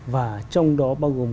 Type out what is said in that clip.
và trong đó bao gồm